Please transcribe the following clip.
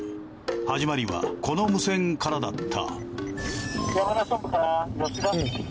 始まりはこの無線からだった。